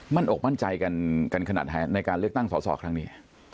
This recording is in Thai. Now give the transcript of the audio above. อกมั่นใจกันขนาดไหนในการเลือกตั้งสอสอครั้งนี้